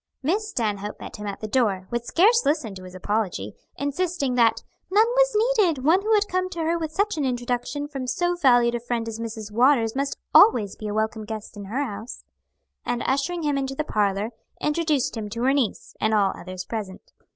Miss Stanhope met him at the door, would scarce listen to his apology insisting that "none was needed; one who had come to her with such an introduction from so valued a friend as Mrs. Waters, must always be a welcome guest in her house" and ushering him into the parlor, introduced him to her niece, and all others present.